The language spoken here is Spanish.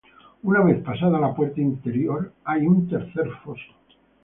Una vez pasada la puerta interior hay un tercer foso.